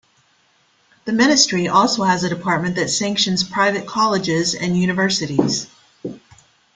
The Ministry also has a department that sanctions private colleges and universities.